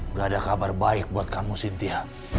gak ada kabar baik buat kamu sintia